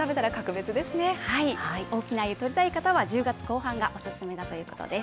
大きな鮎をとりたい方は１０月後半がオススメだということです。